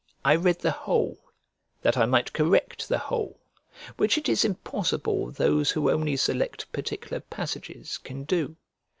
I read the whole, that I might correct the whole; which it is impossible those who only select particular passages can do.